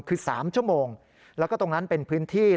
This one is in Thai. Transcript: คือ๓ชั่วโมงแล้วก็ตรงนั้นเป็นพื้นที่